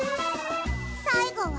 さいごは。